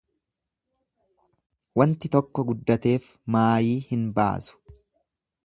Wanti tokko guddateef maayii hin baasu.